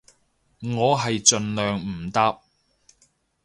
我係盡量唔搭